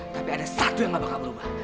tapi ada satu yang gak bakal berubah